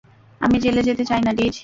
আমি জেলে যেতে চাই না, ডিজ।